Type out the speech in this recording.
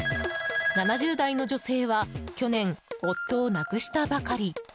７０代の女性は去年夫を亡くしたばかり。